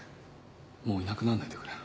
もういなくなんないでくれ。